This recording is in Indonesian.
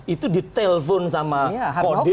itu ditelepon sama kodim